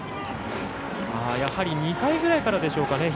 やはり２回ぐらいからでしょうか。